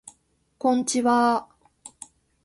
こんちはー